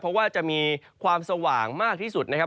เพราะว่าจะมีความสว่างมากที่สุดนะครับ